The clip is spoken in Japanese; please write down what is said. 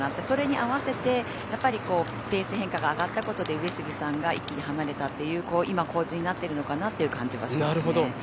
それに合わせてやっぱりペース変化が上がったことで上杉さんが一気に離れたという今、構図になってるのかなという感じはしますね。